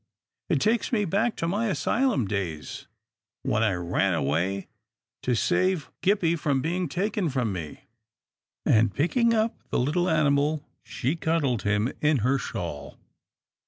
" It takes me back to my asylum days when I ran away to save Gippie from being taken from me," and, picking up the little animal, she cuddled him in her shawl.